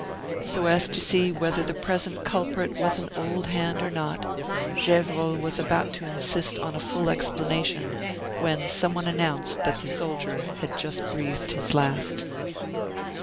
So as to see whether the present culprit was an old hand or not, Gevrol was about to insist on a full explanation when some one announced that the soldier had just breathed his last.